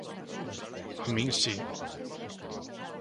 A min si.